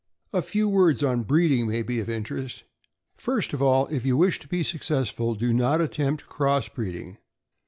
A few words on breeding may be of interest. First of all, if you wish to be successful, do not attempt cross breed ing.